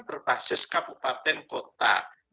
berbasis kabupaten kota